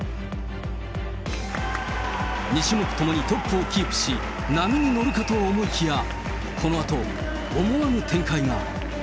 ２種目ともにトップをキープし、波に乗るかと思いきや、このあと、思わぬ展開が。